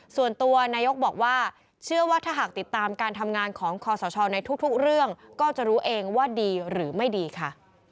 ส่วนตัวนายกบอกว่าเชื่อว่าถ้าหากติดตามการทำงานของคอสชในทุกเรื่องก็จะรู้เองว่าดีหรือไม่ดีค่ะ